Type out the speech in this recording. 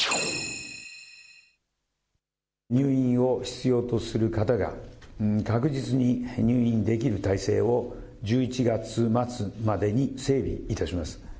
入院を必要とする方が確実に入院できる体制を、１１月末までに整備いたします。